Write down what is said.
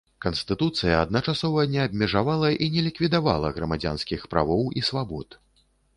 Канстытуцыя, адначасова, не абмежавала і не ліквідавала грамадзянскіх правоў і свабод.